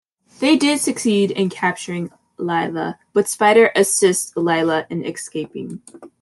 They did succeed in capturing Lila, but Spyder assists Lila in escaping.